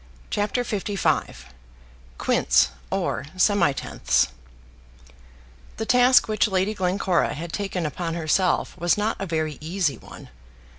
CHAPTER LV Quints or Semitenths The task which Lady Glencora had taken upon herself was not a very easy one.